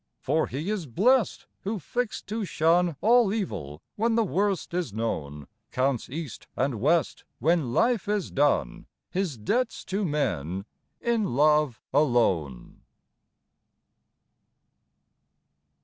For he is blest Who, fixed to shun All evil, when The worst is known, Counts, east and west, When life is done, His debts to men In love alone.